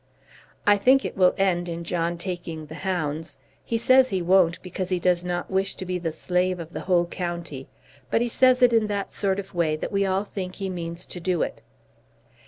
I think it will end in John taking the hounds. He says he won't, because he does not wish to be the slave of the whole county; but he says it in that sort of way that we all think he means to do it.